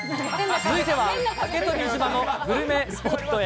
続いては、竹富島のグルメスポットへ。